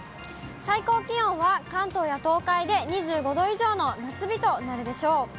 最高気温は関東や東海で２５度以上の夏日となるでしょう。